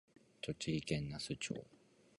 栃木県那須町